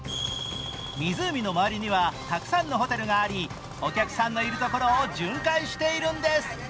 湖の周りにはたくさんのホテルがありお客さんのいるところを巡回しているんです。